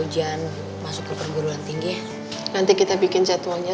dari sekarang dicicil pindahannya